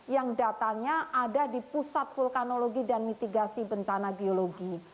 yang datanya ada di pusat vulkanologi dan mitigasi bencana geologi